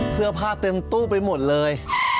เสื้อผ้าเต็มตู้ไปหมดเลย